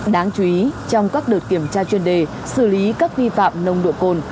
đáng chú ý trong các đợt kiểm tra chuyên đề xử lý các vi phạm nồng độ cồn